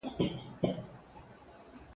زه به سبا لوښي پرېولم وم.